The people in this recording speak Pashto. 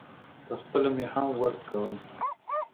پخپله مې هم ورد کول.